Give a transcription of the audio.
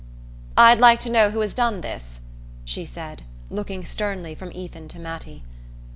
"I'd like to know who done this," she said, looking sternly from Ethan to Mattie.